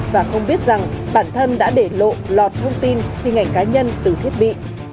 và không biết rằng bản thân đã để lộ lọt thông tin khi ngành cá nhân từ thiết bị